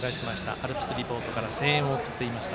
アルプスリポートから声援を送っていました。